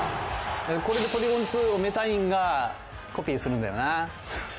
これでポリゴン２をメタインがコピーするんだよな。